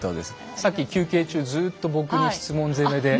さっき休憩中ずっと僕に質問攻めで。